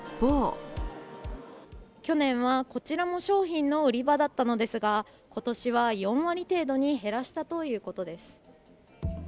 去年はこちらも商品の売り場だったのですが、今年は４割程度に減らしたということです。